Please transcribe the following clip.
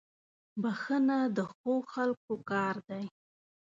• بښنه د ښو خلکو کار دی.